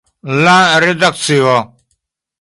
La redakcio.